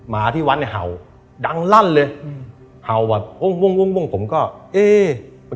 มาที่วัดเนี่ยเห่าดังลั่นเลยอืมเห่าแบบวงผมก็เอ๊ะ